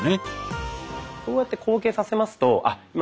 こうやって後傾させますとあっ